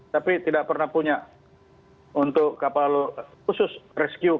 tapi tidak pernah punya untuk kapal khusus rescue